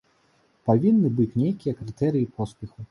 Павінны быць нейкія крытэрыі поспеху.